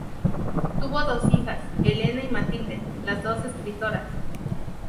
Tuvo dos hijas, Elena y Matilde, las dos escritoras.